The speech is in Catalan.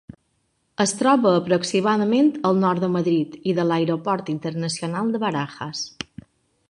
Es troba aproximadament al nord de Madrid i de l'aeroport internacional de Barajas.